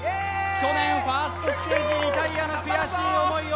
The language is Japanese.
去年ファーストステージリタイアの頑張るぞ！